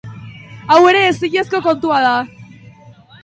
Hau ere ezinezko kontua da.